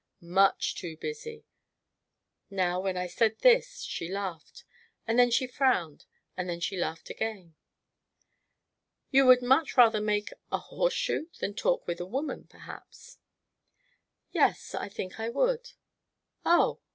"Much too busy!" Now, when I said this, she laughed, and then she frowned, and then she laughed again. "You would much rather make a horseshoe than talk with a woman, perhaps?" "Yes, I think I would." "Oh!"